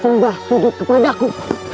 sembah sedih kepadaku